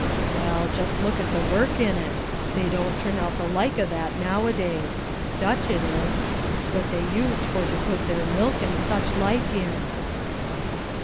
"Well, just look at the work in it. They don't turn out the like o' that nowadays. Dutch, that is; what they used for to put their milk and such like in."